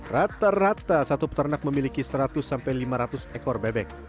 rata rata satu peternak memiliki seratus lima ratus ekor bebek